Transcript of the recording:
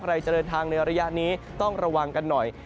จะเดินทางในระยะนี้ต้องระวังกันหน่อย